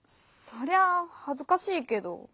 そりゃあはずかしいけど。